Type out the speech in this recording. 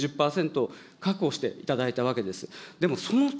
団体枠２０％確保していただいたわけです。